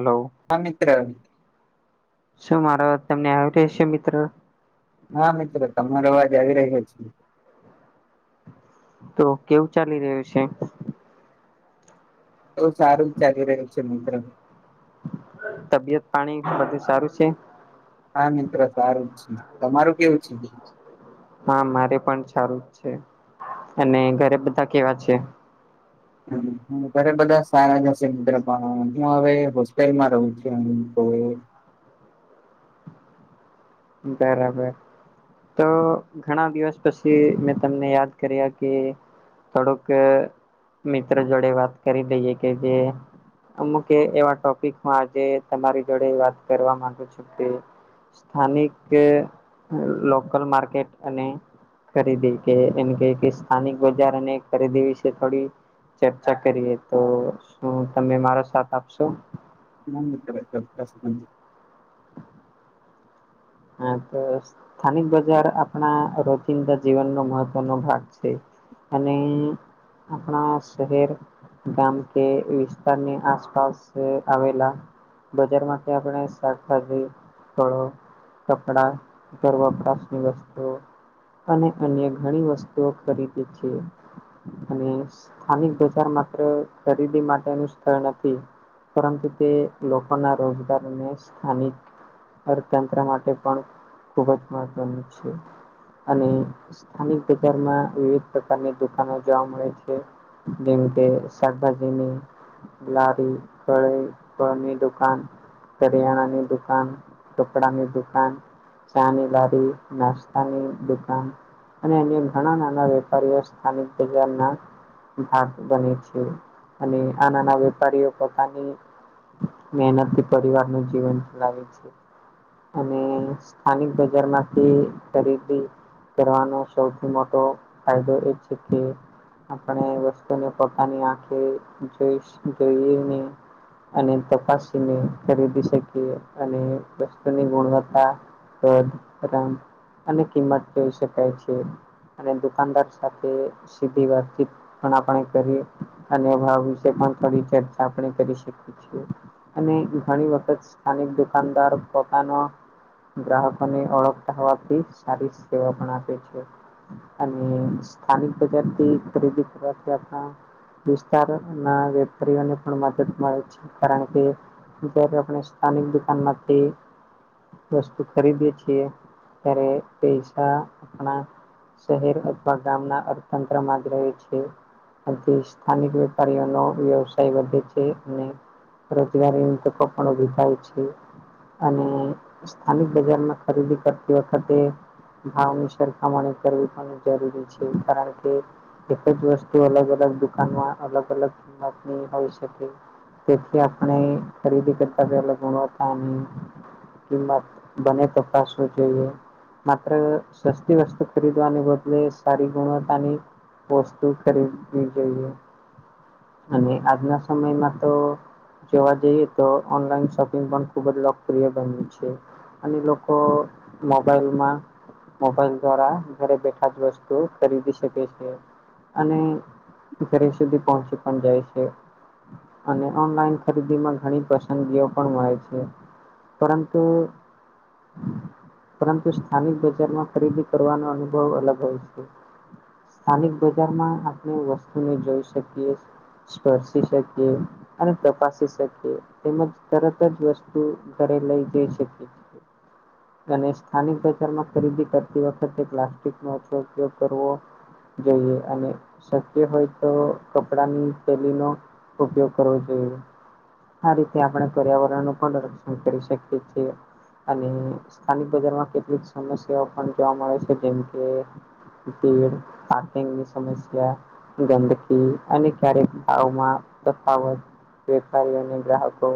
Hello હા મિત્ર શું મારો અવાજ તમને આવી રહશે મિત્રો હા મિત્રો તમારો અવાજ આવી રહ્યો છે. તો કેવુંક ચાલી રહ્યું છે. બહું સારું જ ચાલી રહ્યું છે. મિત્ર તબિયત પાણી બધું સારું છે. હા મિત્ર સારું છે. તમારું કેવું છે? હા મારે પણ સારું જ છે. અને ઘરે બધા કેવા છે? ઘરે બધા સારા જ હશે મિત્ર પણ હું હવે હોસ્ટેલમાં રહું છું. તો બરાબર. તો ઘણા દિવસ પછી મેં તમને યાદ કર્યા કે થોડુંક મિત્ર જોડે વાત કરી દઈએ, કે જે અમુકે એવા ટોપિકમાં આજે તમારી જોડે વાત કરવા માંગુ છું કે સ્થાનિક લોકલ માર્કેટ અને ખરીદી કે એમ કેય કે સ્થાનિક બજાર અને ખરીદી વિશે થોડી ચર્ચા કરીએ તો શું તમે મારો સાથ આપશો. હાં મિત્ર ચોક્કસ હા તો સ્થાનિક બજાર આપણા રોચિંદા જીવનનો મહત્વનો ભાગ છે. અને આપણા શહેર ગામ કે વિસ્તારની આસપાસ આવેલા બજારમાંથી આપણે શાકભાજી, ફળો કપડા, ઘર વપરાશની વસ્તુઓ અને અન્ય ઘણી વસ્તુઓ ખરીદીએ છીએ. અને સ્થાનિક બજાર માત્ર ખરીદી માટેનું સ્થળ નથી. પરંતુ તે લોકોના રોજગારને સ્થાનિક અર્થતંત્ર માટે પણ ખુબ જ મહત્વનું છે. અને સ્થાનિક બજારમાં વિવિધ પ્રકારની દુકાનો જોવા મળે છે. જેવી કે શાકભાજીની લારી, કળી, ફળની દુકાન કરિયાણાની દુકાન, કપડાની દુકાન ચાની લારી, નાસ્તાની દુકાન અને અ ઘણા નાના વેપારીઓ સ્થાનિક બજારના ભાગ બને છે. અને આ નાના વેપારીઓ પોતાની મહેનતથી પરિવાર નું જીવન ચલાવે છે. અને સ્થાનિક બજાર માંથી ખરીદી કરવાનો સૌથી મોટો ફાયદો એ છે કે, આપણે વસ્તુને પોતાની આંખે જોઈ જોઈએ ને. અને તપાસીને ખરીદી શકીએ અને વસ્તુની ગુણવત્તા. અને કિંમત જોઈ શકાય છે. અને દુકાનદાર સાથે સીધી વાતચીત. પણ આપણે કરી અને એમના વિશે પણ થોડી ચર્ચા આપણે કરી શકી અને ઘણી વખત સ્થાનિક દુકાનદાર પોતાનો ગ્રાહકો ને ઓળખતો હોવાથી સારી સેવા પણ આપે છે. અને સ્થાનિક બજારથી ખરીદી કરવાથી આપણા વિસ્તાર ના વેપારીઓને પણ મદદ મળે છે. કારણ કે, જ્યારે આપણે સ્થાનિક દુકાનમાંથી વસ્તુ ખરીદીએ છીએ ત્યારે પૈસા આપણા શહેર અથવા ગામના અર્થતંત્ર માં જ રહે છે. આથી સ્થાનિક વેપારીઓનો વ્યવસાય વધે છે. રોજગારીની તકો પણ ઉભી થાય છે. અને સ્થાનિક બજારમાં ખરીદી કરતી વખતે ભાવની સરખામણી કરવી પણ જરૂરી છે કારણ કે, એક જ વસ્તુ અલગ અલગ દુકાનમાં અલગ અલગ કિંમતની હોય શકે. તેથી આપણે ખરીદી કરતા પેલા ગુણવતા અને કિંમત. બને તપાસવું જોઈએ માત્ર સસ્તી વસ્તુ ખરીદવાને બદલે સારી ગુણવત્તાની વસ્તુ ખરીદવી જોઈએ. અને આજના સમયમાં તો, જોવા જઈએ તો ઓનલાઈન શોપિંગ પણ ખુબ જ લોકપ્રિય બન્યું છે. અને લોકો મોબાઈલમાં મોબાઈલ દ્વારા ઘરે બેઠા જ તો ખરીદી શકે છે અને ઘરે સુધી પહોંચી પણ જાય છે. ઑનલાઇન ખરીદીમાં ઘણી પસંદગીઓ પણ મળે છે પરંતુ પરંતુ સ્થાનિક બજારમાં ખરીદી કરવાનો અનુભવ અલગ હોય છે. સ્થાનિક બજારમાં આપણે વસ્તુને જોઈ શકીએ. સ્પર્શી શકીએ. અને તપાસી શકીએ તેમજ તરત જ વસ્તુ ઘરે લઈ જઈ શકીએ. છીએ. અને સ્થાનિક બજારમાં ખરીદી કરતી વખતે પ્લાસ્ટિક નો ઓછો ઉપયોગ કરવો. જોઈએ અને શક્ય હોય તો કપડાની થેલી નો ઉપયોગ કરવો જોઈએ. આ રીતે આપણે પર્યાવરણ નું પણ રક્ષણ કરી શકીએ છીએ. અને સ્થાનિક બજારમાં કેટલીક સમસ્યાઓ પણ જોવા મળે છે જેમ કે ભીડ પાર્કિંગની સમસ્યા ગંદકી અને ક્યારેક ભાવમાં તફાવત. વેપારી અને ગ્રાહકો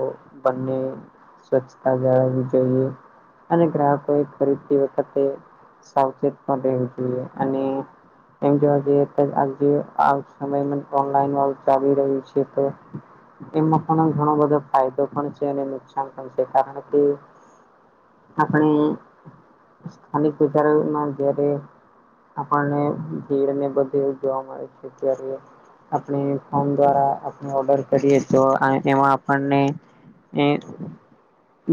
બંને સ્વચ્છતા જાળવી જોઈએ. અને ગ્રાહકોએ ખરીદતી વખતે સાવચેત પણ રહેવું જોઈએ અને એમ જોવા જઈએ તો આજે આ સમયે ઓનલાઈન વાળુ ચાલી રહ્યું છે તો એમાં પણ ઘણો બધો ફાયદો પણ છે અને નુકસાન પણ છે કારણ કે આપણે સ્થાનિક બજારોમાં જયારે આપણને ભીડ ને બધે જોવા મળે છે અત્યારે આપણે ફોન દ્વારા આપણે ઓર્ડર કરીએ તો એમાં આપણને એ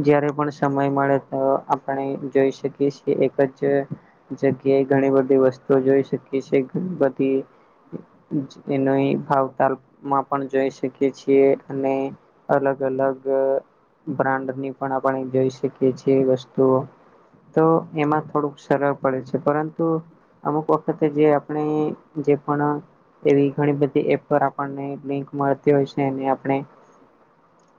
જયારે પણ સમય મળે તો આપણે જઈ શકીએ છીએ એક જ જગ્યે ઘણી બધી વસ્તુઓ જોઈ શકીએ છીએ. ઘણી બધી ઈ જ કે નય ભાવ તાલ માં પણ જઈ શ કે છીએ અને અલગ અલગ બ્રાન્ડ ની પણ આપણે જોઈ શક જે છે વસ્તુઓ તો એમાં થોડુંક સરળ પડે છે પરંતુ અમુક વખતે જે આપણે જે પણ એવી ઘણી બધી એપ પર આપણને લિંક મળતી હોય છે ને આપણે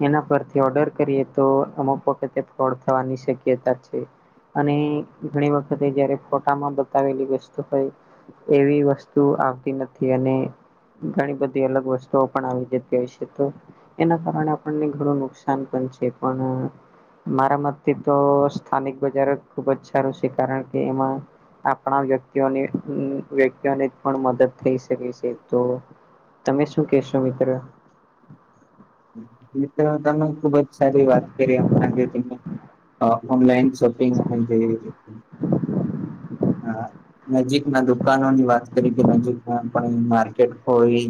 એના પરથી ઓર્ડર કરીએ તો અમુક વખતે ફ્રોડ થવાની શક્યતા છે. અને ઘણી વખતે જયારે ફોટામાં બતાવેલી વસ્તુ હોય એવી વસ્તુ આવતી નથી અને ઘણી બધી અલગ વસ્તુઓ પણ આવી જતી હોય છે તો એના કારણે આપણને ઘણું નુકસાન પણ છે જે પણ અ મારા મતથી તો સ્થાનિક બજાર જ ખુબ જ સારું છે કારણ કે એમાં આપણા વ્યક્તિઓની અ વ્યક્તિઓની પણ મદદ થઈ શકે છે તો તમે શું કેશો મિત્ર? ઇ તો તમે ખુબ જ સારી વાત કરી હમણાં જે તમે અ ઓનલાઈન શોપિંગ અને જે [inaudible] હા નજીક ના દુકાનોની વાત કરી કે નજીક ના પણ માર્કેટ હોય.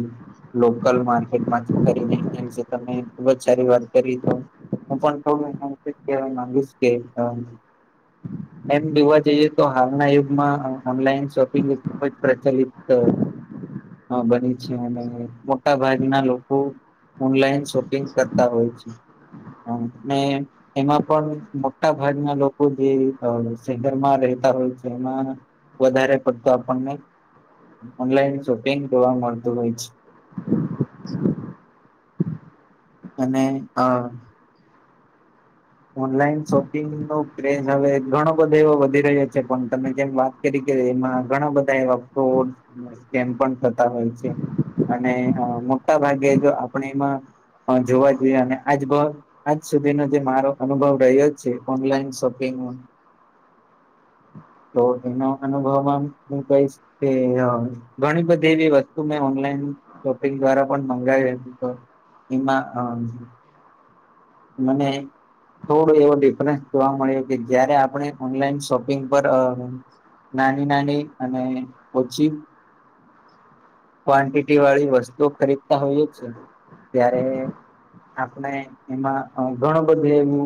લોકલ માર્કેટમાંથી ખરીદી ને વિશે તમે ખુબ જ સારી વાત કરી તો હું પણ સ્વ ને હું એટલૂ જ કેહવા માગીશ કે અ [unintelligible] એમ જોવા જઈએ તો હાલના યુગમાં ઓનલાઈન શોપિંગ ખુબ જ પ્રચલિત ત અ બની છે અને મોટા ભાગના લોકો ઓનલાઈન શોપિંગ કરતા હોય છે ને એમાં પણ મોટા ભાગના લોકો જે અ શહેરમાં રહેતા હોય છે. એમાં વધારે પડતો આપણને ઓનલાઈન શોપિંગ જોવા મળતું હોય છે. અને હા ઓનલાઈન શોપિંગ નો ક્રેઝ હવે ઘણો બધો એવો વધી રહ્યો છે પણ તમે જેમ વાત જે રીતે એમાં ઘણા બધા એવા ફ્રોડ સ્કેમ પણ થતા હોય છે. અને એનો મોટા ભાગે જો આપણે એમાં અ જોવા જઈએ અને આજ બ આજ સુધીનો જે મારો અનુભવ રહ્યો જ છે ઓનલાઈન શોપિંગ [unintelligible] તો એનો અનુભવ આમ હું કહીશ. કે અ ઘણી બધી એવી વસ્તુ મે ઓનલાઈન શોપિંગ દ્વારા પણ મંગાવી તો એમાં અ મને થોડો એવો ડિફરન્સ જોવા મળ્યો કે જયારે આપણે ઓનલાઈન શોપિંગ પર અ નાની-નાની અને ઓછી ક્વન્ટિટી વાળી વસ્તુઓ ખરીદતા હોઈએ છે ત્યારે આપણે એમાં અ ઘણુ બધું એવુ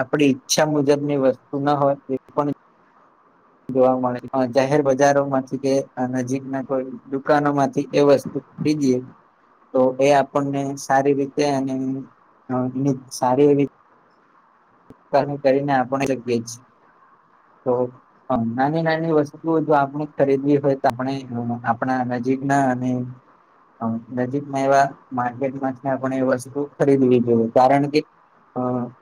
આપણી ઈચ્છા મુજબની વસ્તુ ના હોય એ પણ જોવા મળે અ જાહેર બજારોમાંથી કે અ નજીક ના કોઈ દુકાનોમાંથી એ વસ્તુ ખરીદીએ તો એ આપણને સારી રીતે અને એ સારી કરીને આપણે કે બેચ થોડુંક હ નાની-નાની વસ્તુઓ જો આપણે જ ખરીદવી હોય તો આપણે આપણા નજીકના અને અ નજીકમાં એવા માર્કેટમાંથી આપણે એ વસ્તુ ખરીદવી જોઈએ કારણ કે અ [inaudible]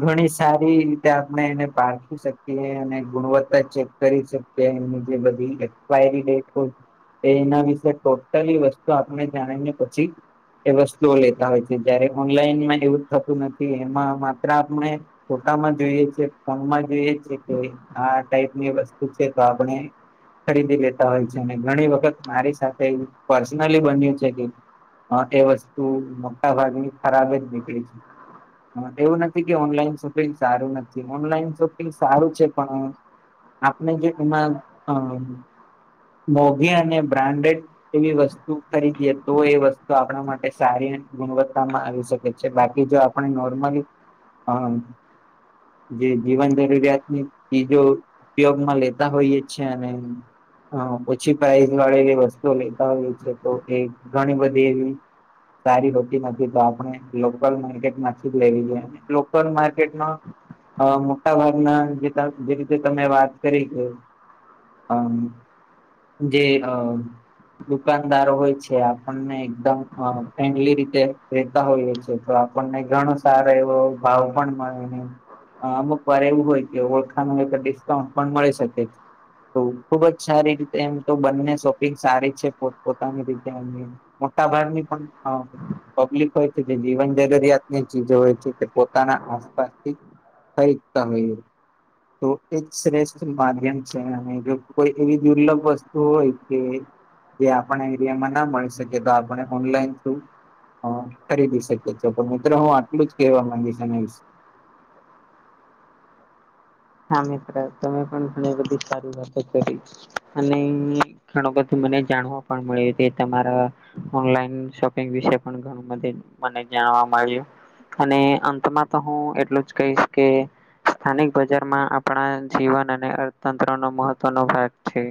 ઘણી સારી રીતે આપણે એને પારખી શકીએ અને ગુણવત્તા ચેક કરી શકીએ. બે ને જે બધી એક્સપાયરી ડેટ હોય એ એના વિશે ટોટલી વસ્તુ આપણે જાણીને પછી એ વસ્તુઓ લેતા હોય છે જયારે ઓનલાઈનમાં એવું થતું એમાં માત્ર આપણે ફોટામાં જોઈએ છે ફોનમા જોઈએ છે કે આ ટાઈપની વસ્તુ છે તો આપણે ખરીદી લેતા હોય છે. અને ઘણી વખત મારી સાથે પર્સનલી બન્યું છે કે હ એ વસ્તુ મોટા ભાગની ખરાબ જ નીકળી છે. એવું નથી એવુ નથી કે ઓનલાઈન શોપિંગ સારું નથી ઓનલાઈન શોપિંગ સારું છે પણ આપણે જે એમાં અ મોગી અને બ્રાન્ડેડ એવી વસ્તુ ખરીદીએ તો એ વસ્તુ આપણા માટે સારી ગુણવત્તામાં આવી શકે છે. બાકી જો પણ નોર્મલી હા જે જીવન જરૂરિયાતની ચીજો ઉપયોગમાં લેતા હોઈએ છે અને હ ઓછી પ્રાઇઝ વાળી એવી વસ્તુ લેતા હોય છે. તો એ ઘણી બધી એવી સારી હોતી નથી તો આપણે લોકલ માર્કેટ માંથી જ લેવી જોઈએ. લોકલ માર્કેટમાં અ મોટા ભાગના જે જે રીતે તમે વાત કરી કે અમ જે અ દુકાનદારો હોય છે આપણને એકદમ અ ફ્રેન્ડલી રીતે રેતા હોઈએ છે તો આપણને ઘણો સારો એવો ભાવ પણ મળે ને હ અમુક વાર એવું હોય કે ઓળખાન હોય તો ડિસ્કાઉન્ટ પણ શકે. તો ખુબ જ સારી રીતે એમ તો બંને શોપિંગ સારી છે પોત પોતાની રીતે એમની. મોટા ભાગની પણ અ પબ્લિક હોય છે જે જીવન જરૂરિયાત ની ચીજો હોય છે કે પોતાના આસપાસથી ખરીદતા હોઈએ. તો એ શ્રેષ્ઠ માધ્યમ છે અને જો કોઈ એવી દુર્લભ વસ્તુ હોય કે જે આપણા એરિયામાં ના મળી શકે તો આપને ઓનલાઈન થ્રુ હ ખરીદી શકી છે પણ મિત્રો હું આટલું જ કેવા માંગીશ આના વિશે. હા મિત્ર તમે પણ ઘણી બધી સારી વાતો કરી અને ઘણું બધું મને જાણવા પણ મળ્યું છે તે તમાર ઓનલાઈન શોપિંગ વિશે પણ ઘણું બધું મને જાણવા મળ્યું. અને અંતમાં તો હું એટલું જ કહીશ કે સ્થાનિક બજ નઝરમાં આપણા જીવન અને અર્થતંત્ર નો મહત્વનો ભાગ છે.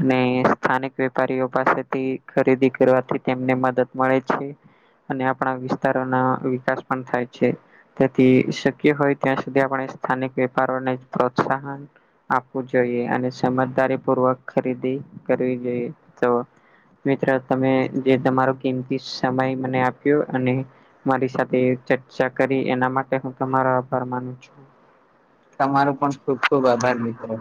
અને સ્થાનિક વેપારીઓ પાસેથી ખરીદી કરવાથી તેમને મદદ મળે છે. આપણા વિસ્તારોના વિકાસ પણ થાય છે. તેથી શક્ય હોય, ત્યાં સુધી આપ સ્થાનિક વેપારને પ્રોત્સાહન આપવું જોઈએ, અને સમજદારી પૂર્વક ખરીદી કરવી જોઈએ તો. મિત્ર તમે જે તમારો કિંમતી સમય મને આપ્યો, અને મારી સાથે ચર્ચા કરી, એના માટે હું તમારો આભાર માનું છું. તમારૂ પણ ખુબ ખુબ આભાર મિત્રો.